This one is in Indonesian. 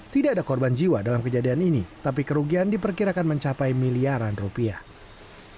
tidak ada korban jiwa dalam kejadian ini tapi kerugian diperkirakan mencapai miliaran rupiah